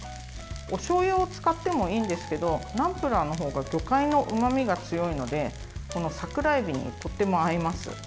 おしょうゆを使ってもいいんですけどナムプラーのほうが魚介のうまみが強いので桜えびにとっても合います。